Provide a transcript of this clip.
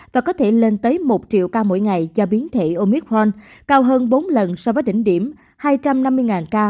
và có thể lên tới một triệu ca mỗi ngày cho biến thể omicron cao hơn bốn lần so với đỉnh điểm hai trăm năm mươi ca